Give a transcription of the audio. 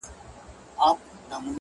هوسۍ مخكي په ځغستا سوه ډېره تونده!.